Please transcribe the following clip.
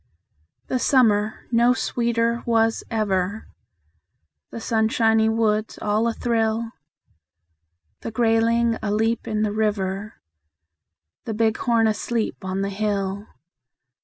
The summer no sweeter was ever; The sunshiny woods all athrill; The grayling aleap in the river, The bighorn asleep on the hill.